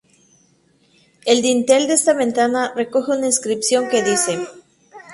El dintel de esta ventana recoge una inscripción que dice:.